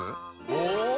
お！